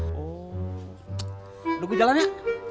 tsk nunggu jalan ya